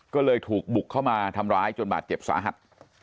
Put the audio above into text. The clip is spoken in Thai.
ก็เลยถูกบุกเข้ามาทำร้ายจนบาดเจ็บสาหัส